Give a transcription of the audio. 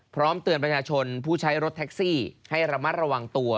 พร้อมเตือนประชาชนผู้ใช้รถแท็กซี่ให้ระมัดระวังตัว